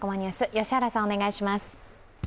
良原さん、お願いします。